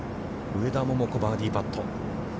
上田桃子、バーディーパット。